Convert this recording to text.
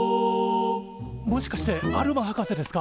もしかしてアルマ博士ですか？